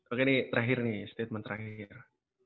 oke ini terakhir nih statement terakhir